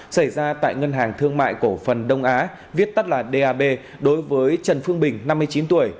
xảy ra tại ngân hàng thương mại cổ phần đông á viết tắt là dap đối với trần phương bình năm mươi chín tuổi